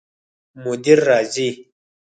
مدیر راځي؟